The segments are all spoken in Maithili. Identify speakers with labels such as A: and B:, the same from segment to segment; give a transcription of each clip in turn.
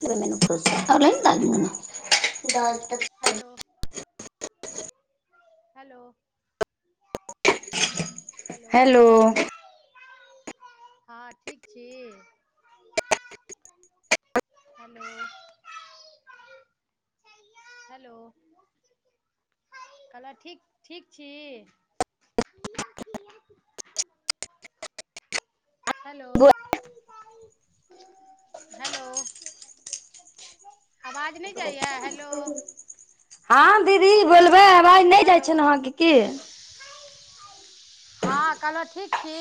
A: त मन पोस अ दाजू।
B: हेलो हेलो हेलो
A: हेलो
B: हँ ठीक छी हलू हेलो कह ठ ठीक छी हेलो हेलो आवाज नहि जाइया हेलो
A: हँ दीदी बोलु हबेइ नहि जाइ
B: हेलो
A: छेन अहाके की
B: हँ कहलहुँ ठीक छी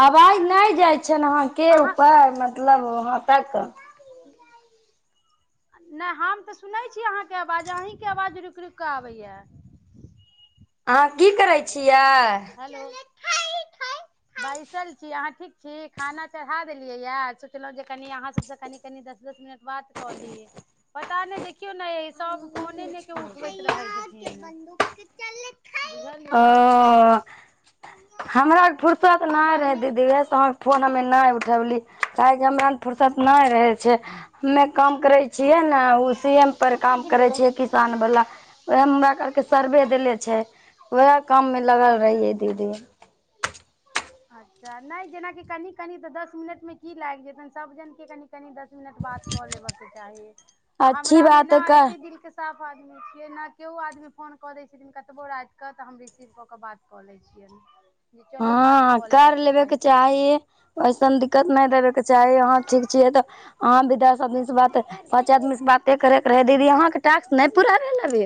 A: आवाज नहि जाय अहां के
B: अहाँ
A: ऊपर मतलब वहाँ तक
B: नहि हम तऽ सुनै छी अहाँके आवाज अहीँके आवाज रुकि रुकि कऽ आबैया
A: अहाँ की करै छियै
B: हेय हेय बैसल छी अहाँ ठीक छी खाना चढ़ा देलियैया सोचलहुँ जे क अहाँ सबसँ कनि कनि दस दस मिनट बात कऽ ली पता नहि देख केओ नहि सब फोने ने के उठबैत रहै छै चल
A: ओ हमरा फुर्सत
B: सब
A: नहि रहे
B: आदमी
A: दीदी उएहसँ अहके फोन हमे नहि
B: के
A: उठौली काहेकि हमरा फुरर्सत नहि रहे छै हमे काम करै छियै ने ओ सी एम पर काम करै छियै किसान वला ओह हमराके सर्वे देेले छै उएह काम मे लगल रहियै दीदी
B: अच्छा नहि जेनाकी कनि कनिऽ दस मिनटमे की लागि जेतनि सभ जनक के कनि कनि दस मिनट बात कऽ लेब के चाही आ
A: अच्छी
B: हमरा मे
A: बात है
B: न
A: क
B: एते दिल के साफ ऐना केओ आदमी फोन कऽ दै छथिन हिनका कबो रातिकऽ तऽ हम रिसीव कऽ कऽ बात कऽ लै छियैन
A: हँ कर लेबेके चाही ऐसन दिक्कत नहि देबेके चाही अहाँ ठीक छियै तऽ अहाँ भी दस आदमीसँ बात पाँच आदमीसँ बाते करेके रहे दीदी अहाँके टास्क नहि पूरा भेल अभी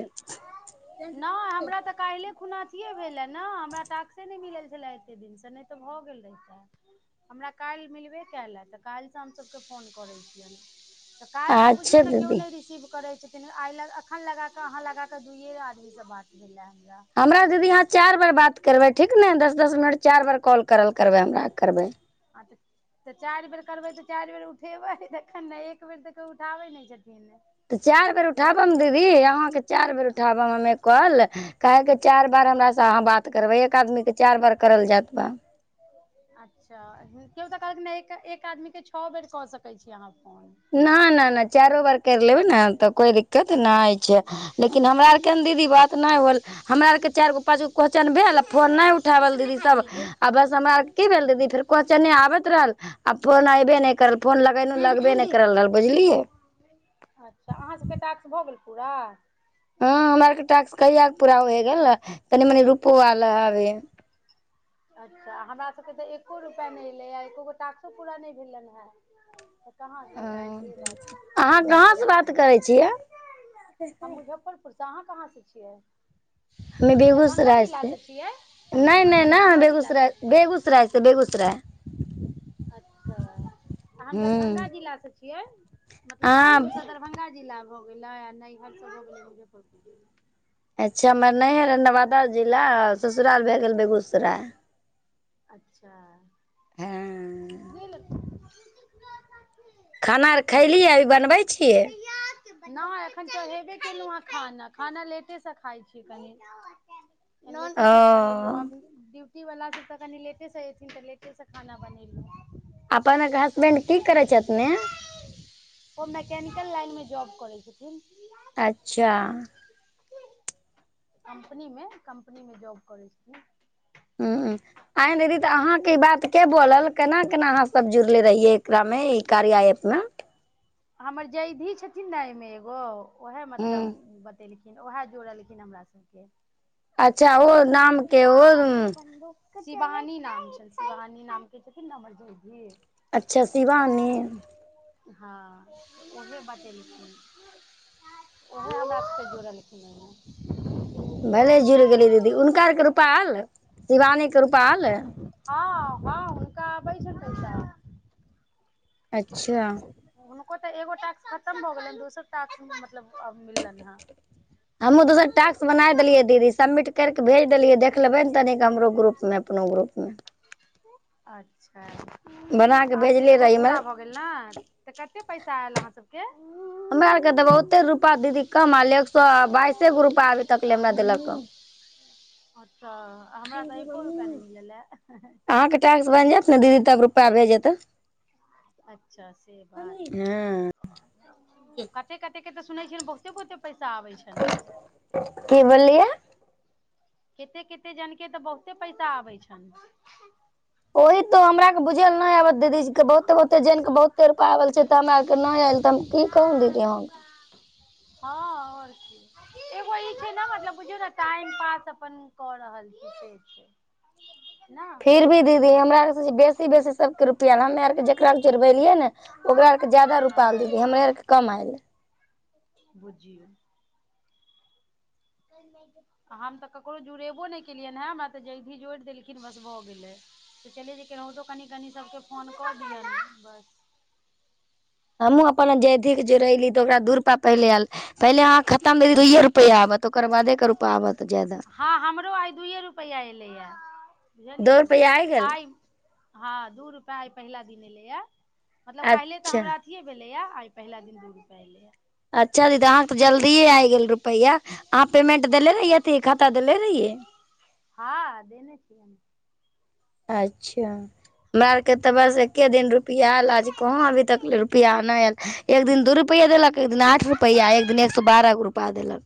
B: पहिले खुनाथिये भेले ने हमरा टाक्से नहि मिलल छले एते दिन से नहि तऽ भए गेल रहिता हमरा काल्हि मिलबे कायल है काल्हि से हमसभके फोन करे छियनि तऽ काल्हि तऽ बुझियौ
A: अच्छा
B: ने केओ
A: दीदी
B: नहि रिसीव करैत छै आई ल अखन लगााक अहा लगााक दुइये आदमी से बात भेल आ
A: हमरा दीदी अहाँ चारि बार बात करबै ठीक ने दस दस मिनट चारि बार कॉल करल करबै हमरा करबै
B: हँ तऽ तऽ चारि बेर करबै तऽ चारि बेर उठेबै तखन ने एक बेर तऽ केयो उठाबै नहि छै
A: तऽ चारि बेर उठाबम दीदी अहाँके चारि बेर उठाबम हम कॉल काहे कें चारि बार हमरास अहाँ बात तऽ करबै एक आदमीके चार बार करल जात बा
B: क एक एक आदमीके छओ बेर कऽ सकै छी अहाँ फोन
A: न न नहि चारो बार कर लेबै न तऽ कोइ दिक्कत कतना छै
B: अच्छा
A: लेकिन हमरा आर के ने दीदी बात नहि होल हमरा आर के चारिगो पाँच गो क्वस्चन भेल फोन न उठावल दीदी सब आ बस हमरा आर की भेल दीदी फेर क्वेशचने आबत रहल आ फोन एबे नहि करल फोन लगेन लगबे नहि कर ल बुझलिऐ
B: अच्छा अहाँसभके टास्क भऽ गेल पूरा
A: ह हमरारके टास्क कहिया पूरा होय गेलैय कनि मनी रुपो आयल हबे
B: अच्छा हमरा सभके तऽ एको रुपैआ नहि एलैए आ एको गो टाकसो पूरा नहि भेलै हेँ कहाँ से से ब
A: अहाँ कहाँ से बात करै छियै
B: हम मुजफ्फरपुर अहाँ कहाँ से छियै
A: हमे
B: दरभंगा
A: बेगूसराय से
B: जिलासँ छियै
A: नहि
B: हम
A: नहि नहि ह
B: दरभंगा जिलासँ
A: बेगूसराय
B: छियै
A: बेगूसराय से बेगुसराय
B: अच्छा हम
A: हूँ
B: दरभंगा जिलासँ छी किए मतलब सासुर
A: अहाँ
B: से दरभंगा जिला मे हो गेला आ नहिहर सब हो गेलै मुजफ्फरपुर मे
A: अच्छा हमर नइहर हय नवादा जिला ससुराल आ भए गेल बेगूसराय
B: अच्छा
A: हँ
B: [inaudible] [inaudible]
A: खाना अर खयली अभी बनबै छियै
B: नहि एखन चढ़ेबे केलहुँ हेँ खाना खाना लेटेसँ खाइ छी कनि आय लेटे
A: ओ
B: सेट बनेलू अभी ड्यूटी इ वला के कनि लेटेसँ ऐथिन तऽ लेटेसँ खाना बनेलहुँ
A: अपन
B: अखन
A: हसबेंड
B: त
A: की करै छथिने
B: ओ मैकेनिकल लाइन मे जॉब करय छथिन
A: अच्छा
B: कम्पनी मे कम्पनी मे जॉब करै छथिन
A: ह आए दीदी तऽ अहाँके ई बात के बोलल केना केना अहाँसभ जुड़ले रहियै एकरामे ई कार्या एप में
B: हमर जयधी छथिन ने एहिमे एगो ओएहे
A: हूँ
B: मतलब बतेलखी उएह जोड़लखिन हमरा सबके
A: अच्छा ओ नामके ओ
B: शिवानी नाम छेन शिवानी नाम के छथिन न हमर जयधि
A: अच्छा शिवानी
B: हँ उहे बतेलखिन उहे हमरा सभके जुड़लखिन ह
A: भले जुड़ गेलै दीदी हुनकारके रूपा एल शिवानी के रूपाल एल
B: पैसन कैसा
A: अच्छा
B: त एगोटा के खत्म भ गेलैन दोसर टाक मतलब अब मिललनि हँ
A: हमहूँ दोसर टास्क बनाय देलियै दीदी सबमिट कर क भेज देलियै देख लेबै ने तनिक हमरो ग्रुप मे अपनो ग्रुप मे।
B: अच्छा
A: बना के
B: अहाँ सबके
A: भेजले
B: एगो
A: रहै
B: पूरा भऽ गेल न तऽ कते पैसा आयल अहाँ सबके।
A: हमरा आरके तऽ बहुते रुपा दीदी कम आल एक सए बाइसे गो रुपाआ अभी तक ले हमरा देलक अ।
B: आत तऽ हमरा तऽ एको रुपआ नहि मिलल ह।
A: अहाँके टास्क बनि जायत ने दीदी तब रुपा भेज जेतै
B: अच्छा से बात
A: हँ
B: कते कते तऽ सुनै बहुते बहुते। पैसा आबै छनि
A: की बोललियै
B: केते केते जनके तऽ बहुते पैसा आबै छनि।
A: ओही तो हमरा आरके बुझै लए नहि आबत दीदीजे बहुते बहुते जन के बहुते रूपा आबल छै तऽ हमरा आरके नहि आयल त हम की कहुँ दीदी हम।
B: हँ और कि एगो ई छै न मतलब बुझिऔ न टाइम पास। अपन कऽ रहल छी से छै ने
A: फिर भी दीदी हमरा बेस बेसी, बेसी सभके रुपैआ ल हमे आरके जकरा जोरबेलियै ने ओकरा आरके जादा रुपैआ आल
B: हँ
A: दीदी हमरा आरके कम आयलै।
B: बुजियौ आ हम तऽ ककरो जुड़ेबो नहि केलियनि हेँ हमरा तऽ जयधि जोड़ि देलखिन, बस भऽ गेलै सोचलिए केनाहितो कनि कनि सभकेँ फोन कऽ। दियनि बस
A: अपन जे जे रहैली त ओकरा दूर प पहिलेयल पहिले अहाँ खतम भेल दुइए रु, प यावत
B: हँ हमरो आइ दुइए रुपैआ एयलैए
A: दू
B: बुझलियै
A: रुपैआ गेल
B: आइ, हँ दू रुपआ आइ पहिला दिन एलेया। मतलब काइहले तऽ
A: अच्छा
B: हमरा अथिए भेलै। या आइ पहला दिन दूू रुपया एलै या,
A: अच्छा दीदीहाँके तऽ जलदिए आइ गेल रुप रुपैया, अहाँ पयमेंट देले रहियै, अथि खाता देले रहियै।
B: हँ देने छियनि
A: अच्छा हम ए तऽ बस एके दिन रुपैआ आएल आज कहाँ अभी तकले रुपैआ नहि आएल एक दिन दू रुपैआ देलक एक दिन आठ रुपैआ एक दिन एक सो बारअगो रुपैआ देलक।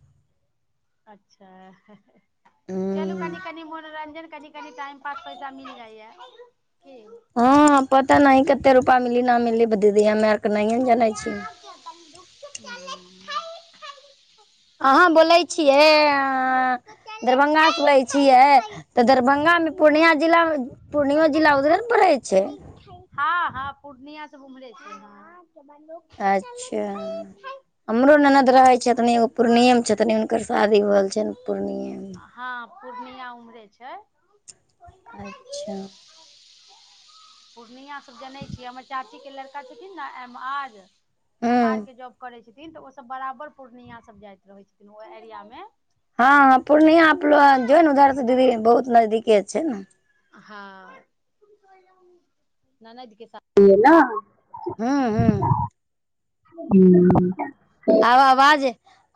B: अच्छा चलू कनि कनि मनोरंजन कनि कनि टाइम पास पैसा मिल जाइया कि।
A: हँ पता नहि क ते रूपा मिली न मिलीब दीदी हम्मे आर क नहिए न जनै छियै अहाँ बोलै छियै दरभंगासँ बोलै छियै तऽ दरभंगामे पूर्णिया जिला पूर्णिमा जिला उधरे न पड़ै छै।
B: पूर्णियाँ सब उम्हरे छै ने। ह
A: अच्छा हमरो ननद रहै
B: पू
A: छथिन एगो पूर्णिये मे छथिन हुनकर शादी होल छनि पूर्णिये मे
B: हँ पूर्णिया उमरे छै।
A: अच्छा
B: पूर्णिया सब जनै छियै हमर चाची के लड़का छथिन ने आज एम आर
A: हूँ
B: के जॉब करै छै थिन तऽ ओसभ बराबर पूर्णिया सब जाइत रहै छथिन ओ एरिया मे।
A: हँ ह पूर्णिया अपल जइ ने उधरसँ दीदी बहुत नजदीके छै ने।
B: हँ ननदके सासुर ऐ ना
A: हूँ हूँ
B: अच्छा हू
A: आब आवाजे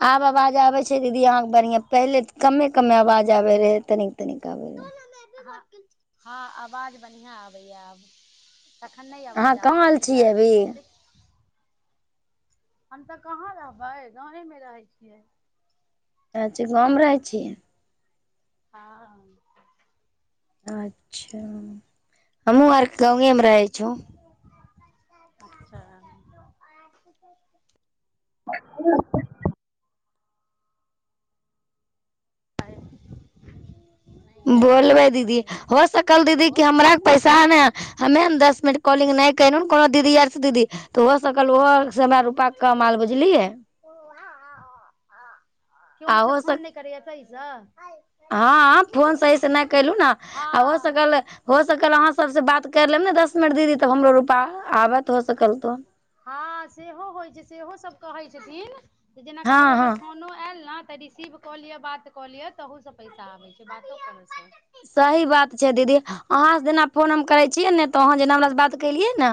A: आब आवाज आबै छै दीदी अहाँके बढ़िआं पहिलेऽ कमे कमे आवाज आबै रहै तनी। तनिकाबै रहै
B: हँ हँ आवाज बढ़िआँ आबैया आब तखन नहि
A: अहाँ
B: आवाज
A: कहाँ
B: आबै
A: आयल
B: छलै
A: छियै अभी
B: देख हम तऽ कहाँ रहबै गाँवेमे रहै छियै
A: अचछा गाँवमे रहै छियै।
B: हँ
A: अच्छा हमहु आरक गाउए मे रहै छु
B: अच्छा आ
A: बोलबय दीदी हो सकल दीदी
B: हेलो
A: क हमरा के पैसा हैने हमेन दस मिनट कॉल, हु कोनो दीदी आर दीदी तऽ हो सकल ओहो हमरा रूपा कम आल बुझलियै,
B: केओ
A: आ,
B: मतलब
A: हो सक
B: फोन नहि करैए सहीसँ
A: हाँ फोन सही से नहि कैलु न आ हो
B: हँ
A: सकल हो सकल अहाँ सबसे बात कर लेब ने दस। मिनट दीदी तब हमरो रूपा आबत हो सकल तो
B: हँ सेहो होइ छै सेहो सभ कहै छथिन, त जेना
A: हँ
B: ककरो
A: हँ
B: अगर फोनो आयल न, तऽ रिसीव कऽ लिअ बात कऽ लिअ तहूसँ पैसा आबै छै बातो करयसँ
A: सही बात छै दीदी अहाँस जेना फोन हम करै छियै ने, अहाँ जेना हमरा स बात कैलियन न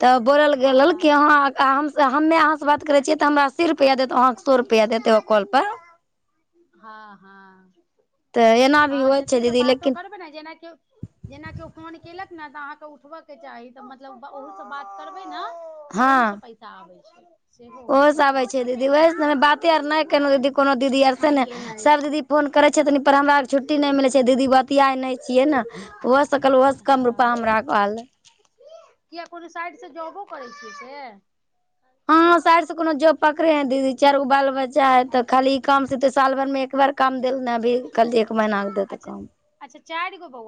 A: त बोलल गेलल कि
B: हँ
A: अहाँ हम स हम हम्मे अहाँस बात करै छिऐ त हमरा अस्सी रुपया देत, अहाँ के सौ रुपया देत एगो कॉल पर।
B: हँ हँ
A: तऽ एना भी
B: हँ
A: होइ
B: जते
A: छै
B: से
A: दीदी
B: बातो
A: लेकिन
B: करबे ने जेना क्यो जेना क्यो फोन केल। न त अहाँके उ उठब के चाही तऽ मतलब ब ओहो स बात करबै न, तऽ ओहु से पैसा आबै छै, ह
A: ओहोसँ आबै छै, दीदी ओहि बाते आर नहि केलहुँ दीदी कोनो दीदी आरसँ ने सभ दीदी फोन करै छथिन पर हमरा आरके छुट्टी नहि मिलै छै दीदी बतिियाए नहि छियै ने ओहोसँ कहलहुँ ओहोसँ कम रुपा
B: हँ
A: हमरा आरक आयल।
B: किया कोनो साइडसँ जॉबो करै छियै से
A: हँ साइड से कोनो जोब पकड़े है दीदी चारि गो बाल बच्चा है तऽ खाली इ काम से त साल भर मे एकबार। काम देल नै अभी कल एक महीना मे देतै
B: अच्छा
A: काम,
B: अच्छा चारि गो बहु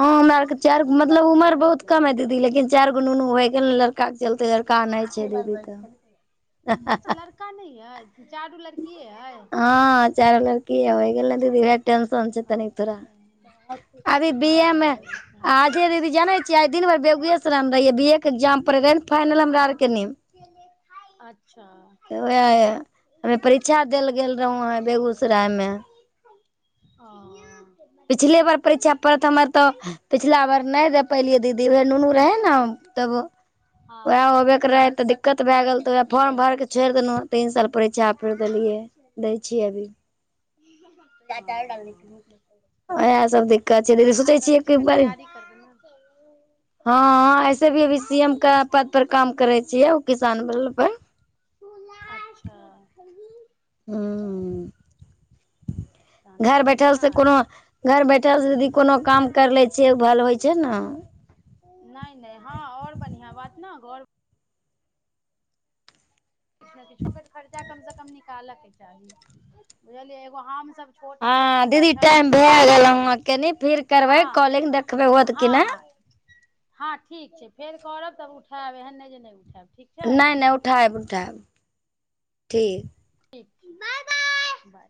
A: हँ हमरा आरके चार मतलब उमर बहुत, कम है दीदी लेकिन चार गो ननू हो गेल लड़, लड़का के चलते लड़का नहि छै दीदी तऽ,
B: चाडू लर
A: हँ चारो लड़कीये बै एले दीदी टेंशन छै तनीक थोड़ा
B: अच्छा
A: अभी बी ए मे आजे दीदी जनै छियै दिन भर बेगुएराय मे रहियै बी ए के्जाम परै रहै न फइनल हमरा आर के नीम
B: अच्छा अच्छा
A: त वेहै तवे परीक्षा। चल गेल रहौं हैं बेगूसराय मे
B: ओ
A: पिछले बेार परीक्षा पड़त हमर तऽ पिछला बार नहि दे पैलियै दीदी उहे नुनू रहै न तब उएह
B: हँ
A: होबे के रहै तऽ दिक्कत भए गेल तऽ अप फॉर्म भर कऽ छोड़ि देलहुँ तीन साल परीक्षा फेर देलियै दै छियै अभी
B: हँ
A: ओहा सब दिक्
B: तहन आगाँ किछु के तैयारी कर दे
A: हँ ऐसे भी अभी सी एम के पद पर काम करै छियै ओ किसान बल पर ह
B: ह
A: घर बैठल से कोनो, घर बैठल से दीदी कोनो काम कर लै छियै उ भल होइ छै न।
B: नहि नहि हँ आओर बढ़िआँ बात ने घर, किछु ने किछु ओकर खर्चा कमसँ कम, निकालऽके चाही बुझलियै एगो हम,
A: हँ दीदी टाइम भए गेल
B: करै
A: अहाँ
B: छी
A: कनी फेर
B: हँ
A: करबै कॉलिंग देखबै होत
B: हँ
A: कि नहि
B: हँ हँ ठीक छै फेर करब तब उठायब एहन नहि जे नहि उठायब ठीक छै
A: नहि नहि उठायब उठायब ठीक
B: बाय बाय